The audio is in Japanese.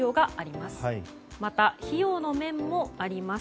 また、費用の面もあります。